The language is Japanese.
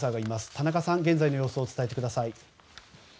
田中さん、現在の様子をお伝えください。